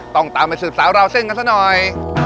ตามไปสืบสาวราวเส้นกันซะหน่อย